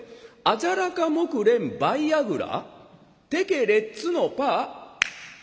『アジャラカモクレンバイアグラテケレッツのパー』」。